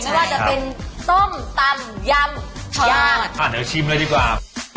ไม่ว่าจะเป็นส้มตำยำย่างอ่ะเดี๋ยวชิมเลยดีกว่า